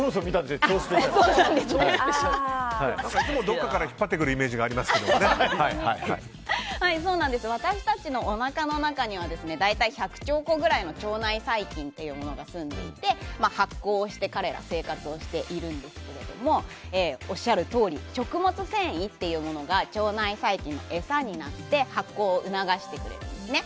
いつもどこかから引っ張ってくるイメージが私たちのおなかの中には大体１００兆個くらいの腸内細菌っていうものがすんでいて発酵をして、彼ら生活をしているんですけれどもおっしゃるとおり食物繊維というのが腸内細菌の餌になって発酵を促してくれるんですね。